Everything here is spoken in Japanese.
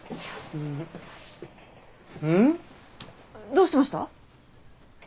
どうしました？